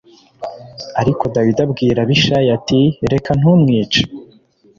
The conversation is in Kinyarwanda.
Ariko Dawidi abwira Abishayi ati “Reka ntumwice.